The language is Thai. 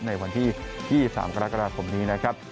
ในวันที่๒๓กรกฎาคมนี้นะครับ